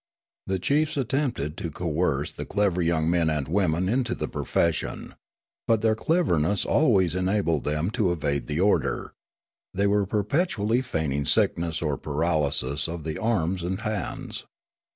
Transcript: The chiefs attempted to coerce the clever 5 oung men and women into the profession. But their cleverness always en abled them to evade the order ; the}' were perpetually feigning sickness or paralysis of the arms and hands.